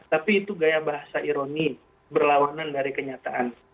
tapi itu gaya bahasa ironi berlawanan dari kenyataan